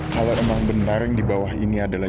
kalau memang benar yang di bawah ini adalah